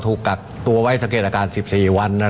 ถูกกักตัวไว้สังเกตอาการ๑๔วัน